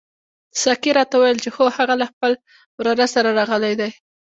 ساقي راته وویل چې هو هغه له خپل وراره سره راغلی دی.